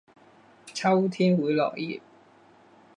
秋天会落叶。